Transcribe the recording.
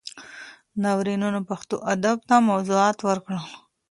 ناورینونو پښتو ادب ته موضوعات ورکړل.